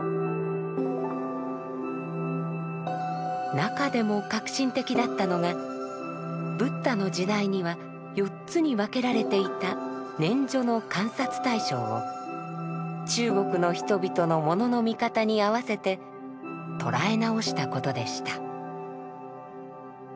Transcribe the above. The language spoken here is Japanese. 中でも革新的だったのがブッダの時代には四つに分けられていた「念処」の観察対象を中国の人々のものの見方に合わせてとらえ直したことでした。